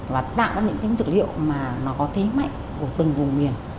và tạo ra những cái dược liệu mà nó có thế mạnh của từng vùng miền